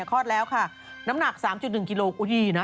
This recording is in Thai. คลอดแล้วค่ะน้ำหนัก๓๑กิโลอุ้ยนะ